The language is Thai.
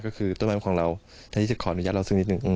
ก็คือต้นไม้ของเราอันนี้จะขออนุญาตเราสักนิดหนึ่ง